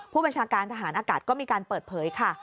ผู้บัญชาการทหารอากาศก็มีการเปิดเผยค่ะ